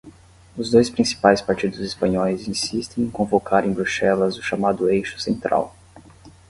Os dois principais partidos espanhóis insistem em convocar em Bruxelas o chamado eixo central.